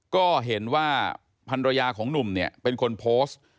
ก็เห็นว่าพันรยาของหนุ่มเนี่ยเป็นคนโพสต์